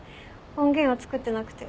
音源は作ってなくて。